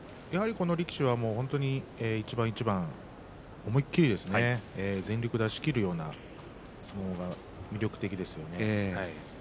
この力士は、一番一番思いっきり全力で引き付けるような相撲が魅力的ですよね。